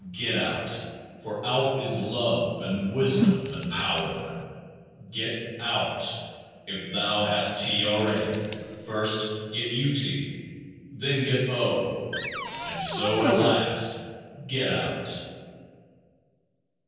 Get out. For OUT is Love and Wisdom and Power. 12 Get OUT. If thou hast T already, first get UT." Then get O. And so at last get OUT.